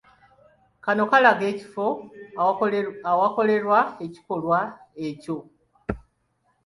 Kano kalaga ekifo awaakolerwa ekikolwa ekyo.